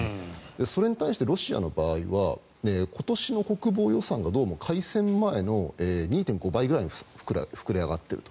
それに対してロシアの場合は今年の国防予算がどうも改選前の２．５倍ぐらいに膨れ上がっていると。